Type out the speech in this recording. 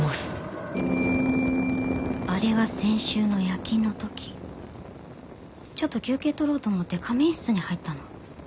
あれは先週の夜勤の時ちょっと休憩取ろうと思って仮眠室に入ったの。